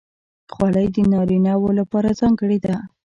خولۍ د نارینه وو لپاره ځانګړې ده.